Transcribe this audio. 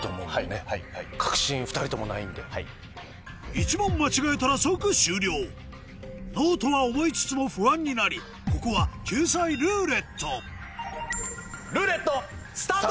１問間違えたら即終了Ｎｏとは思いつつも不安になりここは救済「ルーレット」ルーレットスタート！